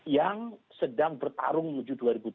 yang sedang bertarung menuju dua ribu dua puluh